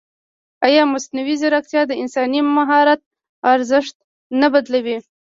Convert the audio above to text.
ایا مصنوعي ځیرکتیا د انساني مهارت ارزښت نه بدلوي؟